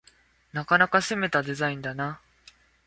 なかなか攻めたデザインだな